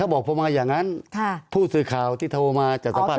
บอกผมมาอย่างนั้นผู้สื่อข่าวที่โทรมาจากสภาพ